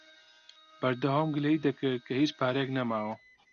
بەردەوام گلەیی دەکرد کە هیچ پارەیەک نەماوە.